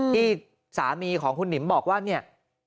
ที่สามีของคุณหนิมบอกว่าเนี่ย